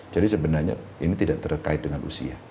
jadi sebenarnya ini tidak terkait dengan usia